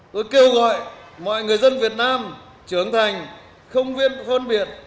tôi kêu gọi mọi người dân việt nam trưởng thành không viên phân biệt